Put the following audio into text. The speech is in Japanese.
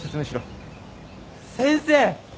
先生。